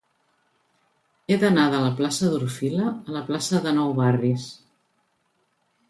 He d'anar de la plaça d'Orfila a la plaça de Nou Barris.